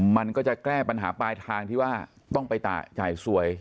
มันก็จะแก้ปัญหาปลายทางที่ว่าต้องไปจ่ายสวย